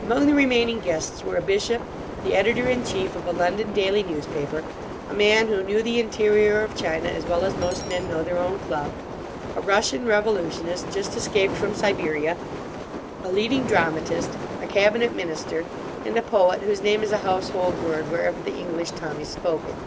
Among the remaining guests were a bishop, the editor in chief of a London daily newspaper, a man who knew the interior of China as well as most men know their own club, a Russian revolutionist just escaped from Siberia, a leading dramatist, a Cabinet Minister, and a poet whose name is a household word wherever the English tongue is spoken.